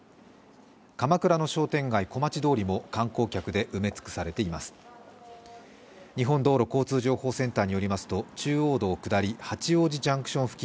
鎌倉の商店街、小町通りも観光客で埋め尽くされています。